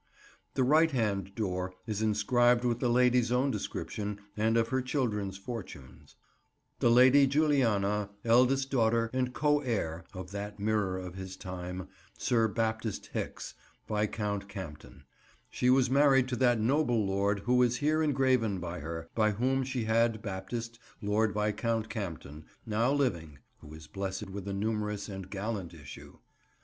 The right hand door is inscribed with the lady's own description, and of her children's fortunes— "The Lady Juliana, eldest daughter and co heire (of that mirror of his time) Sr. Baptist Hicks, Viscount Campden. She was married to that noble Lord who is here engraven by her, by whom she had Baptist, Lord Viscount Campden, now living (who is blessed with a numerous and gallant issue).